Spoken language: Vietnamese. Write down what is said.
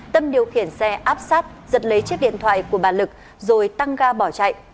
tâm điều khiển xe áp sát giật lấy chiếc điện thoại của bà lực rồi tăng ga bỏ chạy